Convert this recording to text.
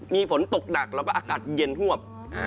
มีฝนตกหนักแล้วก็อากาศเย็นฮวบ